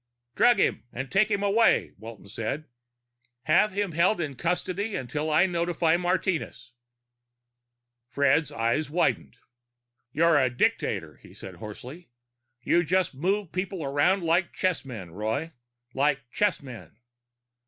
"Drug him and take him away," Walton said. "Have him held in custody until I notify Martinez." Fred's eyes widened. "You're a dictator!" he said hoarsely. "You just move people around like chessmen, Roy. Like chessmen."